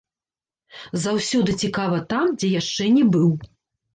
Заўсёды цікава там, дзе яшчэ не быў.